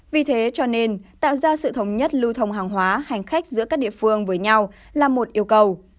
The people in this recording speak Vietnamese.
vì thế cho nên tạo ra sự thống nhất lưu thông hàng hóa hành khách giữa các địa phương với nhau là một yêu cầu